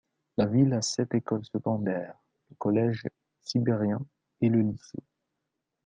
La ville a sept écoles secondaires, le Collège sibérien et le lycée.